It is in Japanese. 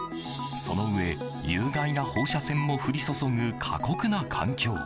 そのうえ有害な放射線も降り注ぐ過酷な環境。